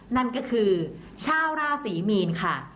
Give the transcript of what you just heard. นั่นก็คือชาวราศรีมีนค่ะ